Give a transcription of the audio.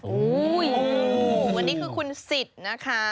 โอ้โหอันนี้คือคุณสิตนะคะ